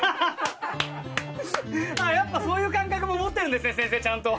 やっぱそういう感覚も持ってるんですね先生ちゃんと。